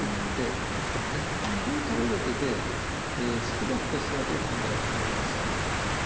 こういう類いの手でスピードアップするような手を考えなくちゃいけないんですよ。